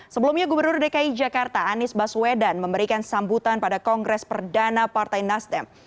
sebelumnya gubernur dki jakarta anies baswedan memberikan sambutan pada kongres perdana partai nasdem